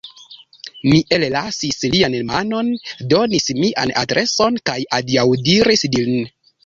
Mi ellasis lian manon, donis mian adreson kaj adiaŭdiris lin.